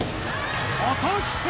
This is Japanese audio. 果たして？